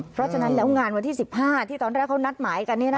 เพราะฉะนั้นแล้วงานวันที่๑๕ที่ตอนแรกเขานัดหมายกัน